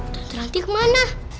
tentu ranting kemana